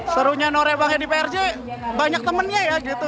serunya norebang yang di prj banyak temennya ya gitu